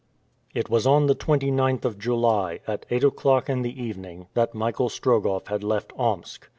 It was on the 29th of July, at eight o'clock in the evening, that Michael Strogoff had left Omsk.